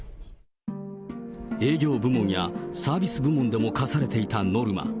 営業部門やサービス部門でも課されていたノルマ。